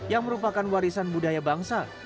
yang merupakan warisan budaya bangsa